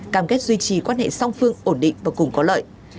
cam kết duy trì quan hệ song phương ổn định và cùng có lợi